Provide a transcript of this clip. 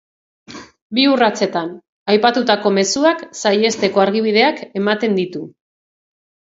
Bi urratsetan, aipatutako mezuak saihesteko argibideak ematen ditu.